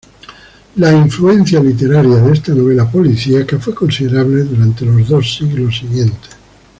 La influencia literaria de esta novela política fue considerable durante los dos siglos siguientes.